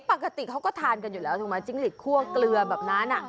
ปกติเขาก็ทานกันอยู่แล้วถูกไหมจิ้งหลีดคั่วเกลือแบบนั้น